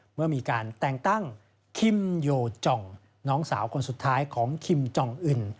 เมื่อมีการแต่งตั้งคิมโยจองน้องสาวคนสุดท้ายของคิมจองอื่น